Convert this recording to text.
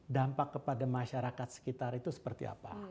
dampak kepada masyarakat sekitar itu seperti apa